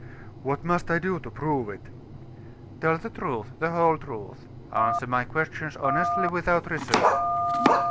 "What must I do to prove it?" "Tell the truth, the whole truth: answer my questions honestly without reserve."